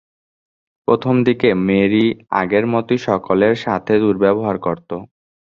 প্রথমদিকে মেরি আগের মতোই সকলের সাথে দুর্ব্যবহার করতো।